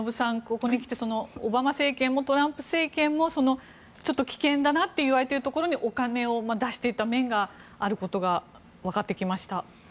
ここに来てオバマ政権もトランプ政権もちょっと危険だなといわれているところにお金を出していた面があることがわかってきました。